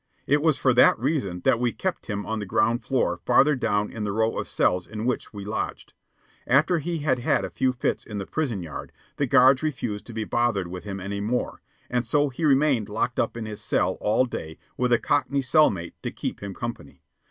It was for that reason that we kept him on the ground floor farther down in the row of cells in which we lodged. After he had had a few fits in the prison yard, the guards refused to be bothered with him any more, and so he remained locked up in his cell all day with a Cockney cell mate, to keep him company.